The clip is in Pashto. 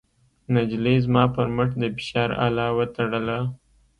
نجلۍ زما پر مټ د فشار اله وتړله.